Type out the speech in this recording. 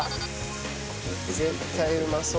絶対うまそう。